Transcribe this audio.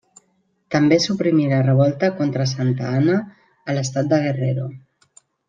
També suprimí la revolta contra Santa Anna a l'estat de Guerrero.